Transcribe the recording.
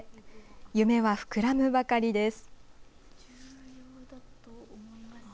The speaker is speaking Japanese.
夢は膨らむばかりです。